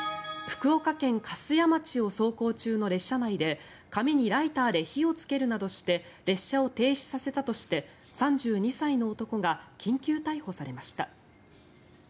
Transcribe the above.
福岡県粕屋町を走行中の列車内で紙にライターで火をつけるなどして列車を停止させたとして３２歳の男が緊急逮捕されました。